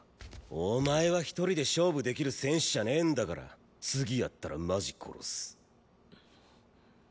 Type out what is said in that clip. お前は１人で勝負できる選手じゃねえんだから次やったらマジ殺す。